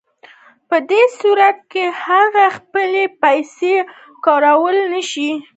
په دې صورت کې هغه خپلې پیسې کارولی نشي